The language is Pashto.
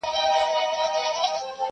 د ریا بازار یې بیا رونق پیدا کړ,